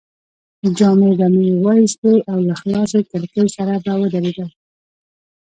جامې به مې وایستې او له خلاصې کړکۍ سره به ودرېدم.